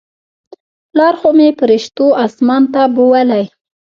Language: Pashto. پلار خو مې پرښتو اسمان ته بولى.